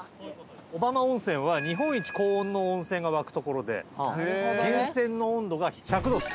小浜温泉は日本一高温の温泉が湧く所で源泉の温度が１００度です。